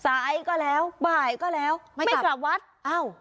สายก็แล้วบ่ายก็แล้วไม่กลับวัดอ้าว